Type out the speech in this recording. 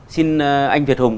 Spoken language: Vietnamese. xin anh việt hùng